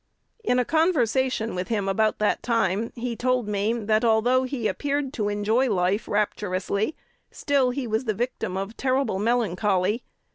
"In a conversation with him about that time, he told me, that, although he appeared to enjoy life rapturously, still he was the victim of terrible melancholy.